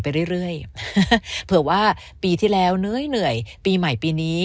ไปเรื่อยเผื่อว่าปีที่แล้วเหนื่อยปีใหม่ปีนี้